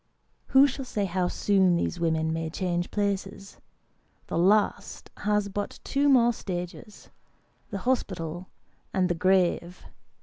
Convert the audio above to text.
Who shall say how soon these women may change places ? The last has but two more stages the hospital and the grave.